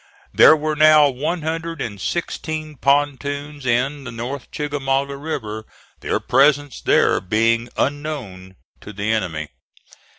There were now one hundred and sixteen pontoons in the North Chickamauga River, their presence there being unknown to the enemy.